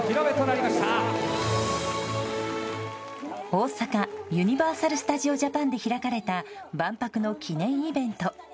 大阪ユニバーサル・スタジオ・ジャパンで開かれた万博の記念イベント。